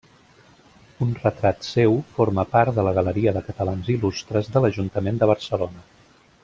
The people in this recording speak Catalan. Un retrat seu forma part de la Galeria de Catalans Il·lustres de l'Ajuntament de Barcelona.